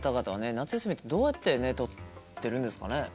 夏休みってどうやってね取ってるんですかね？